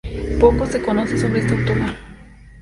Poco se conoce sobre esta autora.